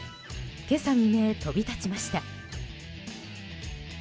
今朝未明、飛び立ちました。